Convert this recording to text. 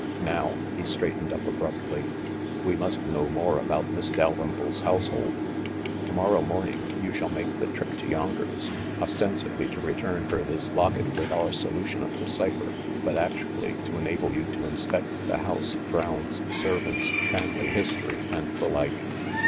"Now," he straightened up abruptly, "we must know more about Miss Dalrymple's household. To morrow morning you shall make the trip to Yonkers, ostensibly to return her this locket with our solution of the ci pher, but actually to enable you to inspect the house, grounds, servants, family history, and the like."